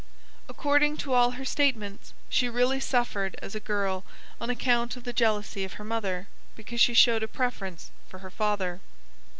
According to all her statements she really suffered as a girl on account of the jealousy of her mother, because she showed a preference for her father.